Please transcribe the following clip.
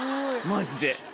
マジで。